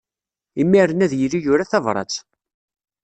Imir-nni ad yili yura tabṛat.